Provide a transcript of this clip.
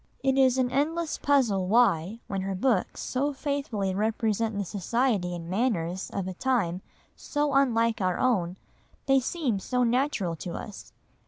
It is an endless puzzle why, when her books so faithfully represent the society and manners of a time so unlike our own, they seem so natural to us.